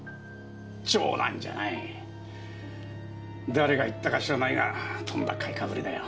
誰が言ったか知らないがとんだ買い被りだよ。